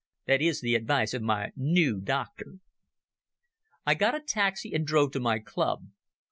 That is the advice of my noo doctor." I got a taxi and drove to my club.